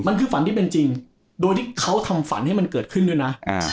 มันคือฝันที่เป็นจริงโดยที่เขาทำฝันให้มันเกิดขึ้นด้วยนะ